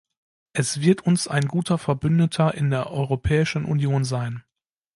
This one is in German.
Es wird uns ein guter Verbündeter in der Europäischen Union sein.